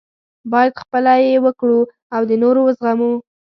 باید خپله یې وکړو او د نورو وزغمو.